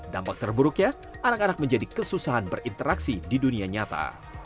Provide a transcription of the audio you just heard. dampak terburuknya anak anak menjadi kesusahan berinteraksi di dunia nyata